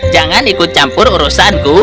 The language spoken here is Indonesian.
jangan ikut campur urusanku